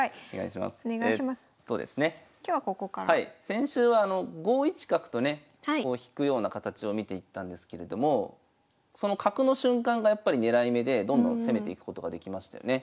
先週は５一角とね引くような形を見ていったんですけれどもその角の瞬間がやっぱり狙い目でどんどん攻めていくことができましたよね。